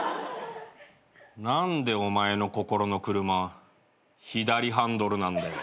何でお前の心の車左ハンドルなんだよ。